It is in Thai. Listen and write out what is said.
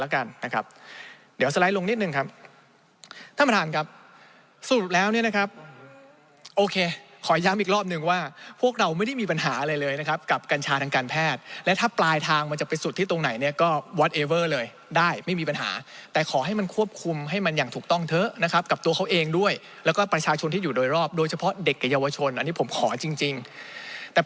ของเมืองไทยอันตรายสุดอยู่เบอร์๑ใช่ไหมครับ